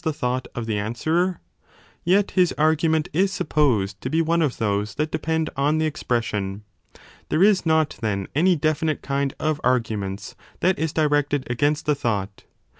CHAPTER X 171* thought of the answerer ? Yet his argument is supposed to be one of those that depend on the expression. There is not, then, any definite kind of arguments that is directed against the thought.